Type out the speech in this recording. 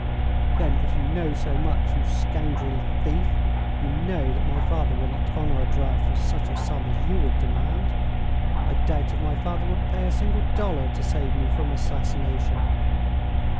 "Then, if you know so much, you scoundrelly thief, you know that my father will not honor a draft for such a sum as you demand. I doubt if my father would pay a single dollar to save me from assassination."